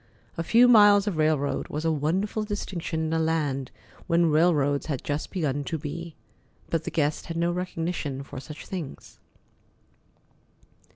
A few miles of railroad was a wonderful distinction in a land where railroads had just begun to be. But the guest had no recognition for such things.